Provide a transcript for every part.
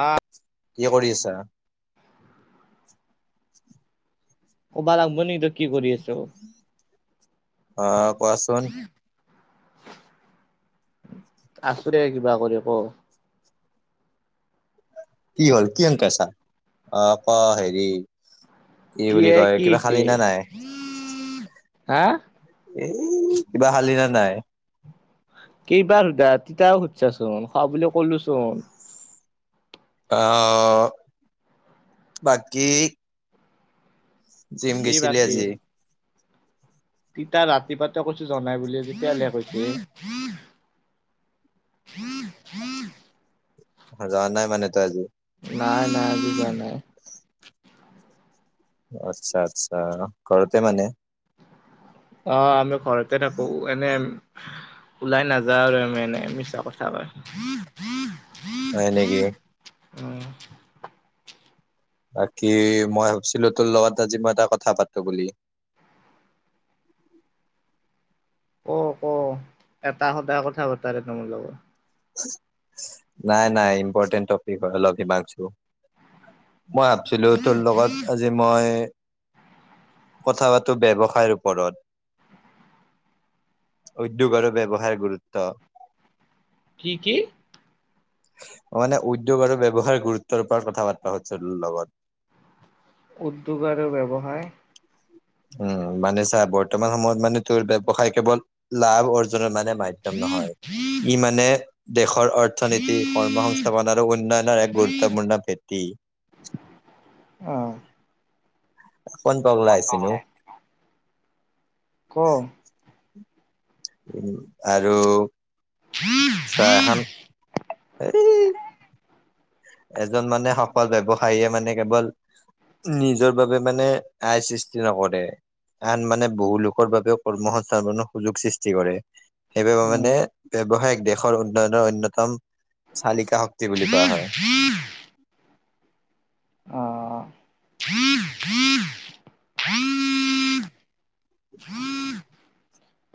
আহ কি কৰি আছা। [inaudible] ক'বা লাগিব নেকি তই কি কৰি আছ অ- অ কোৱাচোন- আছো দে কিবা কৰি ক কি হ'ল কি এনেকৈ আছা অ ক হেৰি- ই কি বুলি এ কয় কি কিবা হৈছে? খালি না নাই। হা এ কিবা শালি ন নাই। কিবাৰ সুধা তেতিয়া ও সুধছাচোন খোৱা বুলি কলোচোন অ বাকী জিম কি গৈছিলি বাকী? আজি। তিতা ৰাতিপা কৈছো জনাই বুলি যেতিয়া কৈছো। যোৱা নাই মানে তই আজি- নাই নাই আজি যোৱা নাই। আচ্ছা আচ্ছা ঘৰতে মানে- অ আমি ঘৰতে থাকোঁ এনে- ওলাই নাযা আৰু ম মিছা কথা হয়। হয় নেকি? [unintelligible] বাকী মই ভাবিছিলো তোৰ লগত আজি মই এটা কথা পাতো বুলি- [unintelligible] ক ক এটা সদায় কথা পতাল তোমাৰ লগত নাই নাই ইম্পৰ্টেণ্ট টপিক হয় অলপ মই ভাবছিলো তোৰ লগত আজি মই- কথা পাতো ব্যৱসায়ৰ ওপৰত- উদ্যোগ আৰু ব্যৱহাৰ গুৰুত্ব। কি কি? [unintelligible] মানে উদ্যোগ আৰু ব্যৱহাৰ গুৰুত্বৰ ওপৰত কথা বাৰ্তা লগত- উদ্যোগ আৰু ব্যৱসায়। উম মানে চাৰ বৰ্তমান সময়ত মানে তোৰ ব্যৱসায় কেৱল লাভ অৰ্জন মানে মাধ্যম নহয়। ই মানে দেশৰ অৰ্থনীতি কৰ্মসস্থাপন আৰু উন্নয়নৰ এক গুৰুত্বপূৰ্ণ ভেটি। অ [unintelligible] কণ পগলা ওলাই আহিছিল নো ক উম আৰু চাহ এখন- এই- এজন মানে সফল ব্যৱসায় মানে কেৱল নিজৰ বাবে মানে- আয় সৃষ্টি নকৰে আন মানে বহু লোকৰ বাবেও কৰ্মসস্থানৰ সুযোগ সৃষ্টি কৰে। সেইবাবে উম মানে ব্যৱসায় দেশৰ উন্নয়নৰ অন্যতম চালিকা বুলি কোৱা হয়। আহ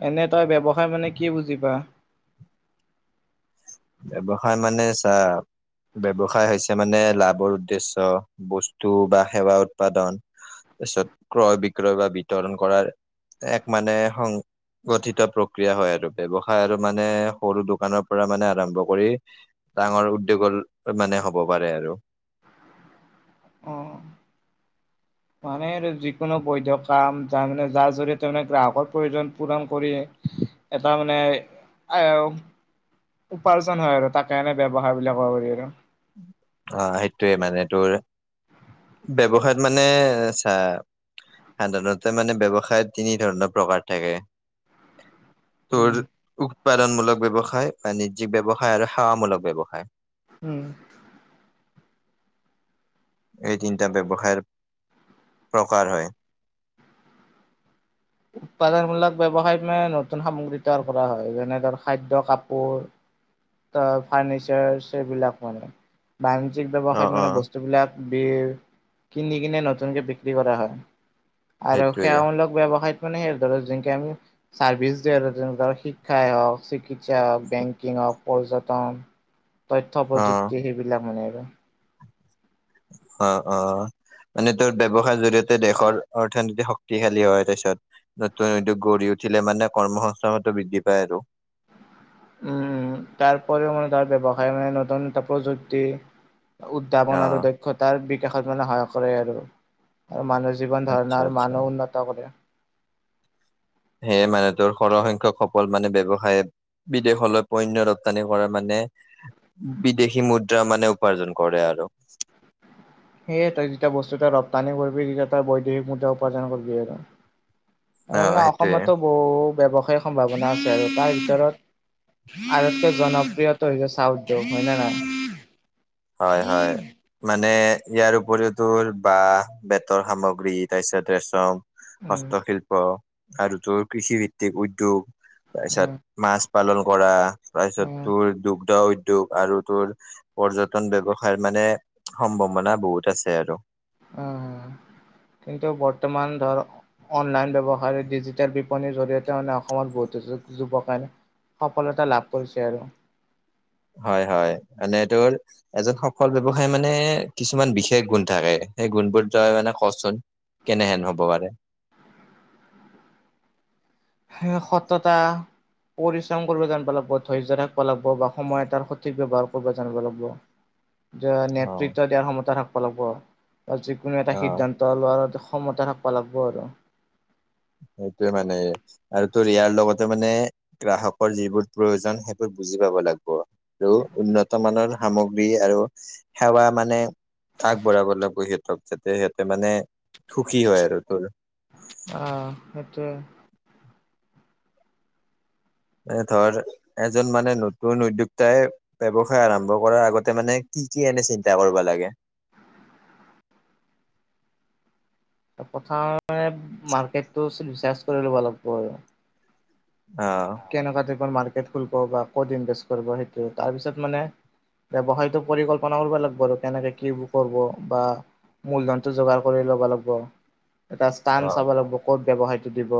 এনে তই ব্যৱসায় মানে কি বুজি পাও? ব্যৱসায় মানে চা ব্যৱসায় হৈছে মানে লাভৰ উদ্দেশ্য বস্তু বা সেৱা উৎপাদন তাৰপিছত ক্ৰয় বিক্ৰয় বা বিতৰণ কৰাৰ এক মানে গঠিত প্ৰক্ৰিয়া হয় আৰু ব্যৱসায় আৰু মানে সৰু দোকানৰ পৰা মানে আৰম্ভ কৰি ডাঙৰ উদ্যোগৰ মানে হ'ব পাৰে আৰু অ [unintelligible] মানে আৰু যিকোনো বৈধ কাম তাৰ মানে যাৰ জৰিয়তে মানে গ্ৰাহকৰ প্ৰয়োজন পূৰণ কৰি এটা মানে আইওহ উপাৰ্জন হয় আৰু তাকে এনে ব্যৱসায় বুলিয়ে কব পাৰি আৰু। আহ সেইটোৱে মানে তোৰ ব্যৱসায়ত মানে চা সাধাৰণতে মানে ব্যৱসায়ত তিনি ধৰণৰ প্ৰকাৰ থাকে। উম তোৰ উৎপাদনমূলক ব্যৱসায় বাণিজ্যিক ব্যৱসায় আৰু সেৱামূলক ব্যৱসায়। উম এই তিনিটা ব্যৱসায়ৰ প্ৰকাৰ হয়। উৎপাদনমূলক ব্যৱসায় মানে নতুন সামগ্ৰী তৈয়াৰ কৰা হয় যেনে ধৰ খাদ্য কাপোৰ ত ফাৰ্ণিচাৰ এইবিলাক মানে, বাণিজ্যিক অ', ব্যৱসায়ত মানে অ', বস্তুবিলাক। বি কিনি কিনে নতুনকে বিক্ৰী কৰা হয়। আৰু সেইটোৱে সেৱামূলক ব্যৱসায়ত মানে সেই ধ যেনেকে আমি চাৰ্ভিছ দিও ধৰ শিক্ষাই হওঁক চিকিৎসা হওক বেংকিং হওক পৰ্যটন তথ্য অ', প্ৰযুক্তি সেইবিলাক মানে অ অ মানে তোৰ ব্যৱসায়ৰ জৰিয়তে দেশৰ অৰ্থনীতি শক্তিশালী হয় পিছত নতুন উদ্যোগ গঢ়ি উঠিলে মানে কৰ্মসস্থানতো বৃদ্ধি পায় আৰু উম তাৰপৰিও মানে তাৰ ব্যৱসায় মানে নতুন এটা প্ৰযুক্তি উদ্ভাৱন আৰু অ', দক্ষতাৰ বিকাশত মানে সহায় কৰে আৰু আৰু মানুহৰ জীৱন আচ্ছা ধাৰণা আৰু আচ্ছা মানুহ উন্নত কৰে সেয়ে মানে তোৰ সৰহ সংখ্যক সফল মানে ব্যৱসায় বিদেশলৈ পণ্যয় ৰপ্তানি কৰা মানে, বিদেশী মুদ্ৰা মানে উপাৰ্জন কৰে আৰু। হেল্ল সেয়ে তই যেতিয়া বস্তু তই ৰপ্তানি কৰিবি তেতিয়া তই বৈদেশিক মুদ্ৰা উপাৰ্জন কৰিবি আৰু এ মানে অ', সেইটোয়ে। অসমতো বহু ব্যৱসায়িক সম্ভাৱনা আছে আৰু তাৰ ভিতৰত আটাতকৈ জনপ্ৰিয়ত হৈছে চাহ উদ্যোগ হয়নে নহয়। হয় হয় মানে ইয়াৰ উপৰিও তোৰ বাঁহ বেতৰ সামগ্ৰী তাৰপিছত ৰেচম উম, হস্তশিল্প আৰু তোৰ কৃষিভিত্তিক উদ্যোগ তাৰপিছত উম, মাছ পালন কৰা তাৰপিছত উম, তোৰ দুগ্ধ উদ্যোগ আৰু তোৰ পৰ্য ব্যৱসায় মানে সম্ভাৱনা বহুত আছে আৰু উম! কিন্তু বৰ্তমান ধৰ অনলাইন ব্যৱসায় ডিজিটেল বিপণীৰ জৰিয়তে মানে অসমৰ বহুতো যুৱকনে সফলতা লাভ কৰিছে আৰু। হয় হয় মানে তোৰ এজন সফল ব্যৱসায় মানে কিছুমান বিশেষ গুন থাকে। সেই গুণবোৰ তই মানে কচোন, কেনেহেন হব পাৰে [inaudible] হে সততা। পৰিশ্ৰম কৰিব জানিব লাগিব, ধৈৰ্য থাকিব লাগিব, বা সময় এটাৰ সঠিক ব্যৱহাৰ কৰিব জানিব লাগিব। উ [unintelligible] নেতৃত্ব দিয়াৰ ক্ষমতা থাকিব লাগিব, যিকোনো এটা অ সিদ্ধান্ত লোৱাৰ ক্ষমতা থাকিব লাগিব আৰু। সেইটোয়ে মানে আৰু তোৰ ইয়াৰ লগতে মানে গ্ৰাহকৰ যিবোৰ প্ৰয়োজন সেইবোৰ বুজি পাব লাগিব, আৰু উন্নত মানৰ সামগ্ৰী আৰু সেৱা মানে আগবঢ়াব লাগিব সিহঁতক যাতে সিহঁতে মানে সুখী হয় আৰু তোৰ। আহ সেইটো। এ ধৰ এজন মানে নতুন উদ্যোক্তাই ব্যৱসায় আৰম্ভ কৰাৰ আগতে মানে কি-কি এনে চিন্তা কৰিব লাগে? প্ৰথমে মাৰ্কেটটো ৰিচাৰ্ছ কৰি ল'ব লাগব আৰু। অ'। কেনেকা টাইপৰ মাৰ্কেট খুলব বা ক'ত ইনভেচ কৰব সেটো। তাৰপিছত মানে ব্যৱসায়তো পৰিকল্পনা কৰব লাগব আৰু কেনেকে কি কৰব বা মূলধনটো যোগাৰ কৰি ল'ব লাগব। এটা স্তান অ', চাব লাগিব। ক'ত ব্যৱসায়টো দিব,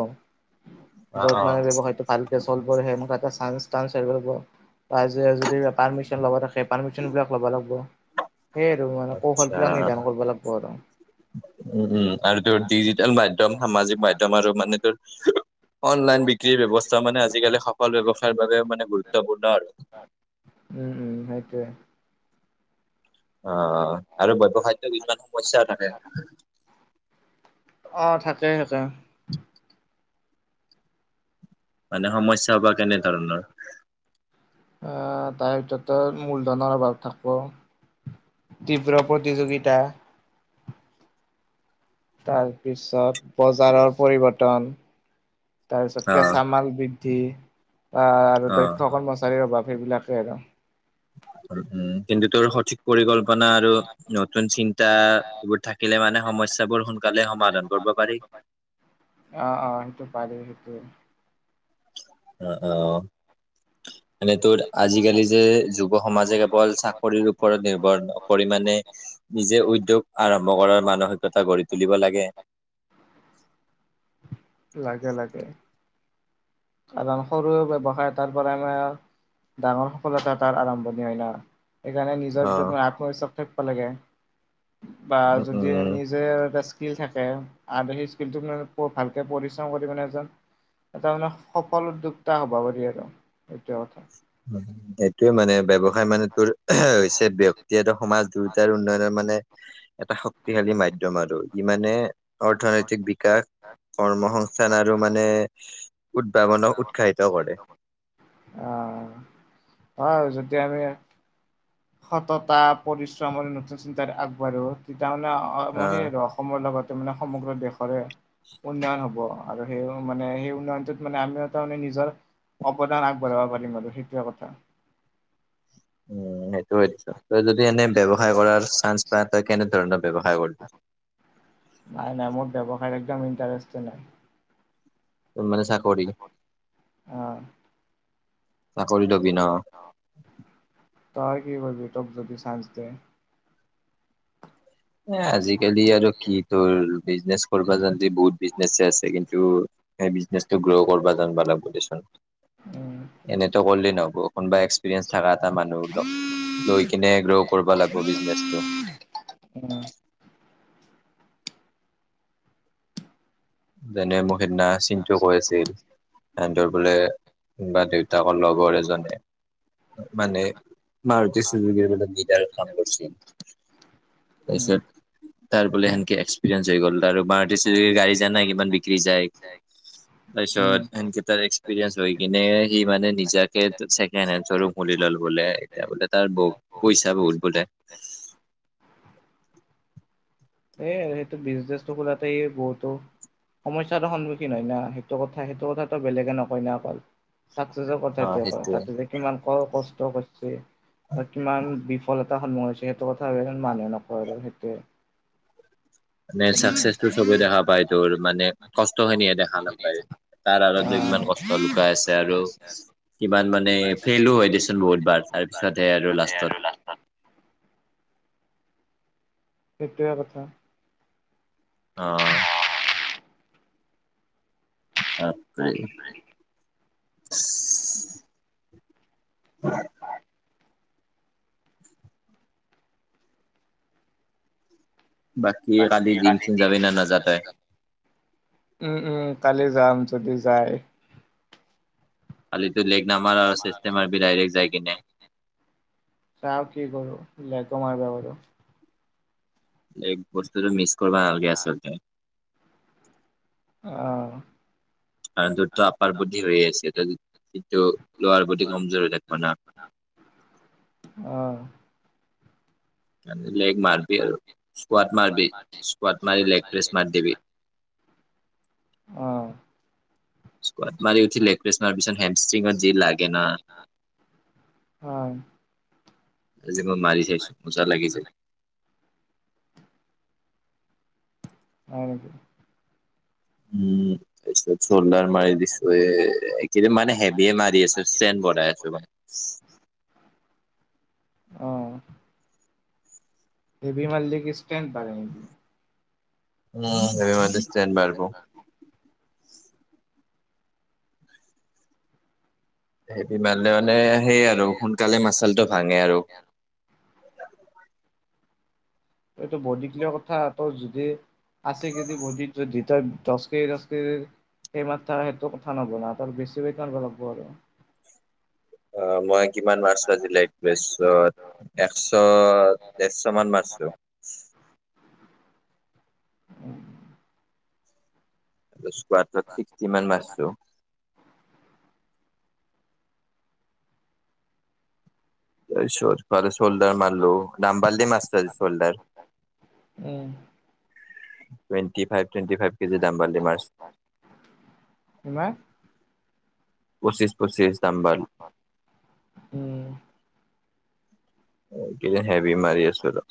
অ', য'ত অ'। মানে ব্যৱসায়টো ভালকে চলব সেই সেনকাতে চাঞ্জ টানচ আইব লাগব। যদি পাৰ্মিচন ল'ব থাকে, পাৰ্মিচন বিলাক ল'ব লাগব। মানে আচ্ছা কৌশলবিলাক নিৰ্ধাৰ কৰিব লাগব আৰু। উম, উম আৰু তোৰ ডিজিটেল মাধ্যম, সামাজিক মাধ্যম আৰু মানে তোৰ অনলাইন বিক্ৰীৰ ব্যৱস্থা মানে আজিকালি সফল ব্যৱসায়ৰ বাবে মানে গুৰুত্বপূৰ্ণ আৰু। উম, উম। সেইটোৱে। অ আৰু ব্যৱসায়টো কিছুমান সমস্যা থাকে। অ থাকেই [unintelligible] মানে সমস্যা বা কেনেধৰণৰ। আহ তাৰ ভিতৰত তোৰ মূলধনৰ অভাৱ থাকব। তীব্ৰ প্ৰতিযোগিতা তাৰ পিছত বজাৰৰ পৰিবৰ্তন তাৰপিছত অ কেঁচা মাল বৃদ্ধি আহ আৰু অ দক্ষ কৰ্মচাৰীৰ অভাৱ। সেইবিলাকে আৰু। উ কিন্তু তোৰ সঠিক পৰিকল্পনা আৰু নতুন চিন্তা এইবোৰ থাক মানে সমস্যাবোৰ সোনকালে সমাধান কৰব পাৰি। অ, অ। সেইটো পাৰি, সেইটোৱে। অঁ-অঁ। এনে তোৰ আজি-কালি যে যুৱ সমাজে কেৱল চাকৰিৰ ওপৰত নিৰ্ভৰ নকৰি মানে নিজে উদ্যোগ আৰম্ভ কৰাৰ মানসিকতা গঢ়ি তুলিব লাগে। লাগে, লাগে। কাৰণ সৰু ব্যৱসায় তাৰ পৰা আমাৰ ডাঙৰ সফলতা তাৰ আৰম্ভণি হয় না। এইকাৰণে নিজৰ অ ভিতৰত আত্মবিশ্বাস থাকব লাগে। বা উম যদি উম নিজে স্কিল থাকে আৰু সেই স্কিলটো মানে ভালকৈ পৰিশ্ৰম কৰি মানে এজন এটা মানে সফল উদ্যোক্তা হ'ব পাৰি আৰু এইটো কথা। এইটোৱে মানে ব্যৱসায় মানে তোৰ হৈছে ব্যক্তি আৰু সমাজ দুয়োটাৰ উন্নয়নৰ মানে এটা শক্তিশালী মাধ্যযম আৰু ই মানে অৰ্থনৈতিক বিকাশ, কৰ্মসংস্থান আৰু মানে উদ্ভাৱনো সাহিত কৰে। অ যেতিয়া আমি সততা, পৰিশ্ৰম আৰু নতুন চিন্তাত আগবাঢ়ো তাৰ মানে আহ সেই আৰু অসমৰ লগতে মানে সমগ্ৰ দেশৰে উন্নয়ন হ'ব আৰু সেই মানে সেই উন্নয়নটোত মানে আমিও তাৰ মানে নিজৰ অৱদান আগবঢ়াব পাৰিম আৰু, সেইটোৱে কথা। [inaudible] উ সেইটো হয় দেচোন। তই যদি এনে ব্যৱসায় কৰাৰ চান্স পা তই কেনেধৰণৰ ব্যৱসায় য় কৰবি? নাই, নাই। মোৰ ব্যৱসায়ৰ একদম ইণ্টাৰেষ্টে নাই। ও মান চাকৰি? অ চাকৰি লবি ন? তই কি কৰবি তোক যদি চাঞ্চ দিয়ে। আজিকালি আৰু কি তোৰ বিজনেছ কৰা যান বহুত বিজনেচ আছে। কিন্তু এই বিজনেচটো গ্ৰ' কৰা যিব লা বুলি উম এনেতো কৰিলেই নহব কোনোবা এক্সপিৰিয়েঞ্চ থকা এটা মানুহ লগ- লৈ কিনে গ্ৰ' কৰিব লাগিব বিজনেছটো। উম যেনে মোক সেই দিনা চিন্তূ কৈ আছিল। ৰ বোলে কোন বা দেউতাকৰ লগৰ এজনে মানে ভাৰতুযোগ নি কাম কৰিছিল উম তাৰপিছত তাৰ বোলে সেনকে এক্সপিৰিয়েঞ্চ হৈ গ'ল ত আৰু মাৰ গাড়ী জানাই কিমান বিক্ৰী যায়। উম তাৰপিছতেনকেইটাৰ এক্সপিৰিয়েঞ্চ হৈ কিনে সি মানে নিজাকেছেকে হেৰু ল। বোলে এতিয়া বোলে তাৰ বহু পইচা বহুত বোলে। এই সেইটো বিজনেছটো খোলাতে বহুতো। সমস্যাৰো সন্মুখীন হয় না সেইটো কথা সেইটো কথাটো বেলেগে নকয় ন অকল। চাকচেছৰ অ' কথাটো সেইটোয়ে তাতে যে কিমান ক কষ্ট কৰিছে বা কিমান বিফল? এ সন্মুখ হৈছে সেইটো কথা মানুহে নকয় আৰু সেইটোৱে। নাই চাকসেছটো চবেই দেখা পায়। তোৰ মানে কষ্ট খিনিয়ে দেখা নাপায়। তাৰ আঁৰত যে অ' কিমান কষ্ট লুকাই আছে আৰু কিমান মানে ফেইলো হয় দেচোন বহুতবাৰ তাৰপিছতহে আৰু লাষ্টত। [inaudible] সেইটো কথা। আহ। বাপৰে। হয়। বাকী এই খালী জিম চিম যাবিনে নাজাও তই। উম, উম কালি যাম যদি যায়। খালিটো লেক নামাৰ আৰু চেষ্টেমাৰ বি ডাইৰেক্ট যায় কিনে। চাও কি কৰো। বস্তুটো মিছ কৰিব নালাগে আচলতে। আহঁ। কাৰণ তোৰতটো আপাৰ বুদ্ধি হৈ আছে। কিন্তু লোৱাৰ প্ৰতি কমজোৰে দেখিব না। আহ। হয়। লেগ মাৰবি আৰু স্কড মাৰবি স্কড মাৰি লেগ প্ৰেছ মাৰ দিবি। আহ। গাট মাৰি উঠিল লেক্ৰেছ মাৰ পিছত হেমষ্ট্ৰিঙত জি লাগে ন। হয়। আজি মই মাৰি চাইছো মোচা লাগি যায়। হয়, নেকি? উম। চল্ডাৰ মাৰি দিছো। এই কেইদিন মানে হেভিয় মাৰি আছো ষ্ট্ৰে বঢ়াই আছো মানে। [inaudible] আহ। হেবি মালিক সষ্টেণ্ড পি উ স মাজষ্টন বাৰব। হেভী মাৰিলে মানে সেইয় আৰু সোনকালে মাচালটো ভাঙে আৰু এইটো বহুত দগলীয়া কথা তই যদি আছে কেজি বদিত যদি তই দহ কেজি দহ কেজি সেই মাত্ৰ সেইটো কথা নব ন ত আৰু বেছিব লাগব। আৰু অ' মই কিমান মাছো আজি লাইত এশ-ডৰশ মান মাৰিছো। [inaudible] উম। [unintelligible] ছিক্সটি মান মাৰিছো। [unintelligible] তাৰপিছত চোল্ডাৰ মাৰিলো দাম বঢলে মাছাৰ soldier. [unintelligible] Twenty five, twenty five KG দাম দামদি মাৰিছো পঁচিছ পঁচিছ ডাম্বলড ইমান কিমান হেভী মাৰি আছো আৰু।